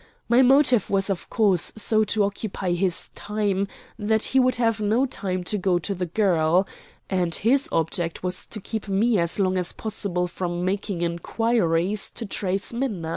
My motive was of course so to occupy his time that he would have no time to go to the girl; and his object was to keep me as long as possible from making inquiries to trace Minna.